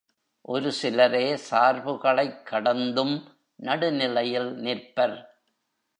ஒரு சிலரே சார்புகளைக் கடந்தும் நடுநிலையில் நிற்பர்.